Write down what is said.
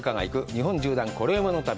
日本縦断コレうまの旅」